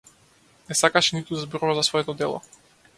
Не сакаше ниту да зборува за своето дело.